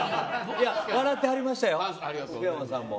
笑ってはりましたよ。